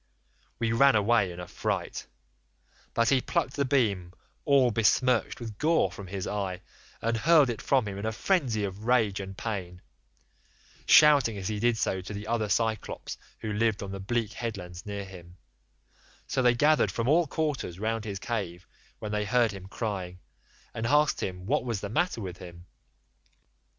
We ran away in a fright, but he plucked the beam all besmirched with gore from his eye, and hurled it from him in a frenzy of rage and pain, shouting as he did so to the other Cyclopes who lived on the bleak headlands near him; so they gathered from all quarters round his cave when they heard him crying, and asked what was the matter with him.